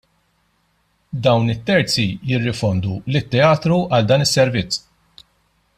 Dawn it-terzi jirrifondu lit-teatru għal dan is-servizz.